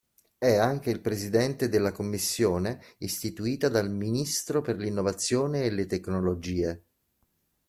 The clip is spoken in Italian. È anche il Presidente della commissione istituita dal Ministro per l'Innovazione e le Tecnologie.